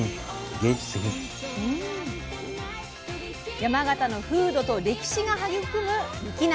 山形の風土と歴史が育む雪菜。